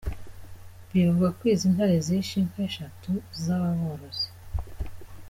Bivugwa ko izi ntare zishe inka eshatu z’aba borozi.